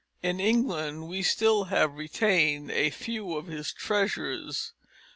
In England we still have retained a few of his treasures.